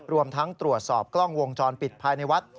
รวมทั้งตรวจสอบกล้องวงจรปิดภายในวัด